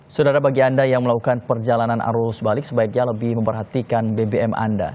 saudara bagi anda yang melakukan perjalanan arus balik sebaiknya lebih memperhatikan bbm anda